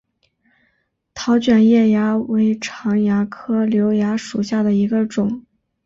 桃卷叶蚜为常蚜科瘤蚜属下的一个种。